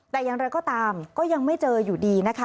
แต่อย่างไรก็ตามก็ยังไม่เจออยู่ดีนะคะ